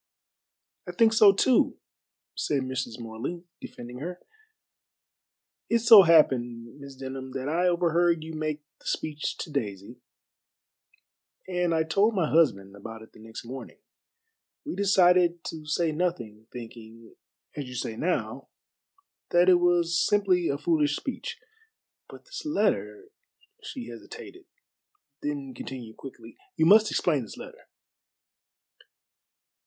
"I think so too," said Mrs. Morley, defending her. "It so happened, Miss Denham, that I overheard you make the speech to Daisy, and I told my husband about it the next morning. We decided to say nothing, thinking as you say now that it was simply a foolish speech. But this letter" she hesitated, then continued quickly, "you must explain this letter."